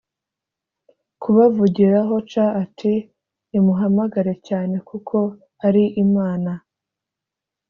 kubavugiraho c ati nimuhamagare cyane kuko ari imana